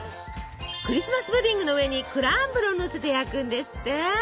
クリスマス・プディングの上にクランブルをのせて焼くんですって！